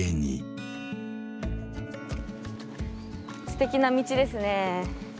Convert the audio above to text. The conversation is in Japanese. すてきな道ですね。